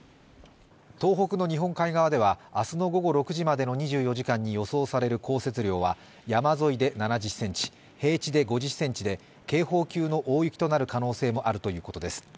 東北の日本海側では明日の午前６時までの２４時間で予想される降雪量は山沿いで７０ｃｍ平地で５０ｃｍで、警報級の大雪となる可能性もあるということです。